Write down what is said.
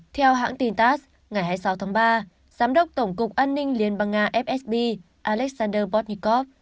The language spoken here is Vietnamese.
theo hãng tin tass ngày hai mươi sáu tháng ba giám đốc tổng cục an ninh liên bang nga fsb alexander bortnikov